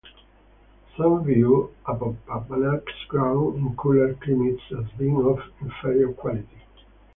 Some view opopanax grown in cooler climates as being of inferior quality.